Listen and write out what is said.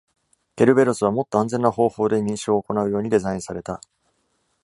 ケルベロスは、もっと安全な方法で、認証を行うようにデザインされた。